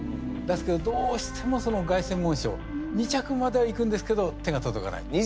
ですけどどうしてもその凱旋門賞２着まではいくんですけど手が届かない。